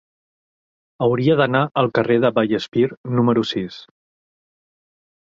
Hauria d'anar al carrer de Vallespir número sis.